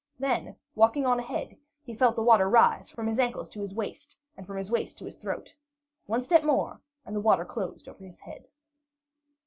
Then, walking on again, he felt the water rise from his ankles to his waist, and from his waist to his throat. One step more, and the water closed over his head.